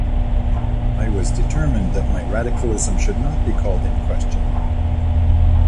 I was determined that my radicalism should not be called in question.